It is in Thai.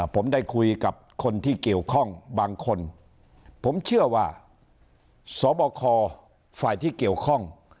ผมได้คุยกับคนที่เกี่ยวข้องบางคนผมเชื่อว่าสบคฝ่ายที่เกี่ยวข้อง